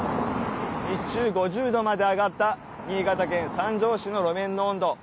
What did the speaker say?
日中５０度まで上がった新潟県三条市の路面の温度